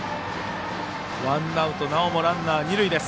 ワンアウトなおもランナー、二塁です。